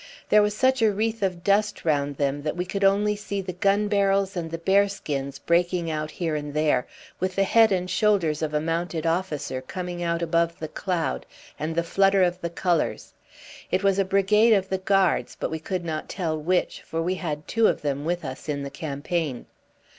There was such a wreath of dust round them that we could only see the gun barrels and the bearskins breaking out here and there, with the head and shoulders of a mounted officer coming out above the cloud, and the flutter of the colours. It was a brigade of the Guards, but we could not tell which, for we had two of them with us in the campaign.